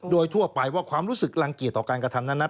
โดยทั่วไปว่าความรู้สึกรังเกียจต่อการกระทำนั้น